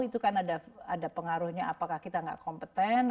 itu kan ada pengaruhnya apakah kita nggak kompeten